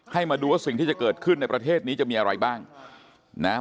มาดูว่าสิ่งที่จะเกิดขึ้นในประเทศนี้จะมีอะไรบ้างนะฮะ